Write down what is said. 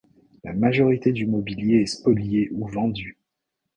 La majorité du mobilier est spoliée ou vendue.